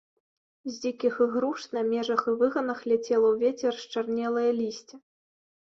З дзікіх ігруш на межах і выганах ляцела ў вецер счарнелае лісце.